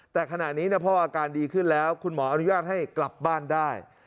แต่ขณะนี้พ่ออาการดีขึ้นแล้วคุณหมออนุญาตให้กลับบ้านได้